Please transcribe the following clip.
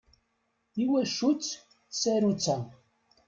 Iwacu-tt tsarutt-a?